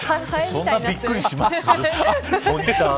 そんなにびっくりします。